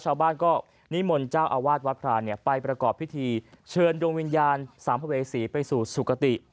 ชาวบ้านก็นิมนต์เจ้าอาวาสวัดพรานไปประกอบพิธีเชิญดวงวิญญาณสามภเวษีไปสู่สุขติ